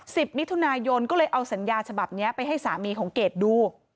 สิบมิถุนายนก็เลยเอาสัญญาฉบับเนี้ยไปให้สามีของเกดดู